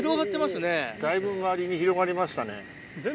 だいぶ周りに広がりましたね。